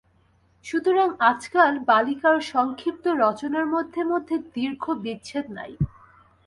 সুতরাং আজকাল বালিকার সংক্ষিপ্ত রচনার মধ্যে মধ্যে দীর্ঘ বিচ্ছেদ নাই।